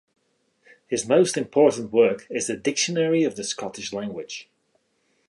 His most important work is the "Dictionary of the Scottish Language".